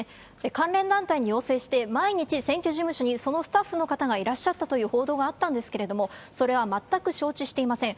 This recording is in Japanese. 関連団体に要請して、毎日選挙事務所にそのスタッフの方がいらっしゃったという報道があったんですけれども、それは全く承知していません。